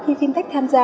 khi fintech tham gia